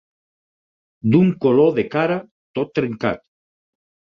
D'un color de cara tot trencat.